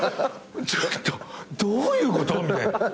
ちょっとどういうこと？みたいな。